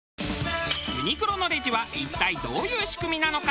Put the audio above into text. ユニクロのレジは一体どういう仕組みなのか？